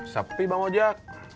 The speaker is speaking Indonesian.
sepi bang ojak